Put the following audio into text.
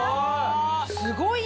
すごい！